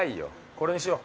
これにしよう。